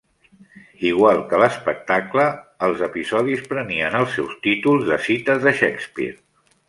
Igual que l'espectacle, els episodis prenien els seus títols de cites de Shakespeare.